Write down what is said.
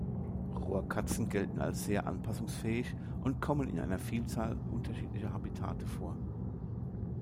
Rohrkatzen gelten als sehr anpassungsfähig und kommen in einer Vielzahl unterschiedlicher Habitate vor.